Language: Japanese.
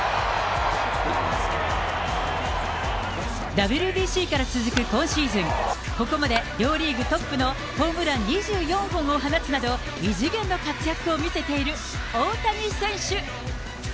ＷＢＣから続く今シーズン、ここまで両リーグトップのホームラン２４本を放つなど、異次元の活躍を見せている大谷選手。